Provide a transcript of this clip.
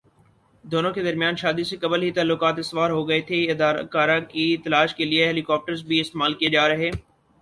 دونوں کے درمیان شادی سے قبل ہی تعلقات استوار ہوگئے تھےاداکارہ کی تلاش کے لیے ہیلی کاپٹرز بھی استعمال کیے جا رہے